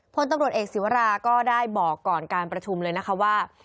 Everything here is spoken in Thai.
พลตำรวจเอกศิวราก็ได้บอกก่อนการประชุมเลยนะคะว่า